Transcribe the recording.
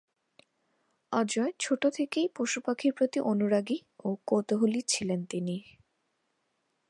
অজয় ছোটো থেকেই পশু-পাখির প্রতি অনুরাগী ও কৌতূহলী ছিলেন তিনি।